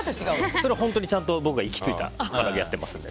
それは本当にちゃんと僕が行き着いたのでやってますので。